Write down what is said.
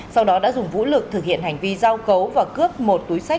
sau đó đã dùng vũ lực thực hiện hành vi giao cấu